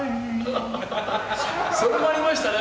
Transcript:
それもありましたね。